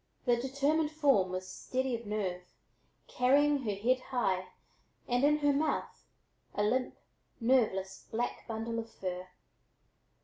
The determined form was steady of nerve, carrying her head high, and in her mouth a limp, nerveless black bundle of fur.